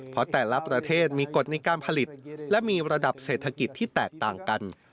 เพราะแต่ละประเทศมีกฎในการผลิตและมีระดับเศรษฐกิจที่แตกต่างกัน